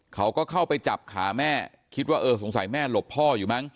เขาก็เข้าไปจับขาแม่คิดว่าเออสงสัยแม่หลบพ่ออยู่มั้